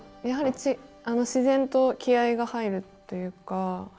やはり自然と気合いが入るというか